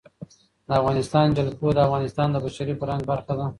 د افغانستان جلکو د افغانستان د بشري فرهنګ برخه ده.